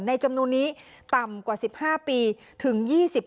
จำนวนนี้ต่ำกว่า๑๕ปีถึง๒๐ปี